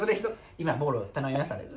今ボーロ頼みましたんで。